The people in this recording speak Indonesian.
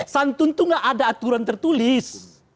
santun itu nggak ada aturan tertulis